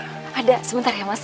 ada virut saya sebentar ya mas